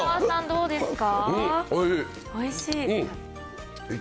どうですか。